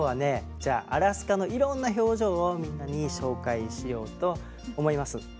じゃあアラスカのいろんな表情をみんなに紹介しようと思います。